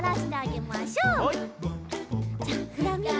じゃあフラミンゴの！